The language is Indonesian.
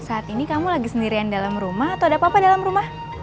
saat ini kamu lagi sendirian dalam rumah atau ada apa apa dalam rumah